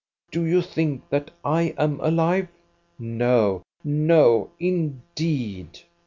Do you think that I am aUve ? No ! No, indeed